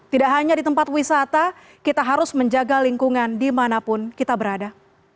tidak hanya di tempat wisata kita harus menjaga lingkungan dimanapun kita berada